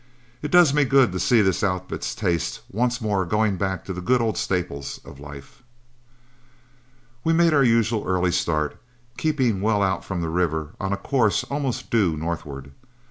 It does me good to see this outfit's tastes once more going back to the good old staples of life." We made our usual early start, keeping well out from the river on a course almost due northward.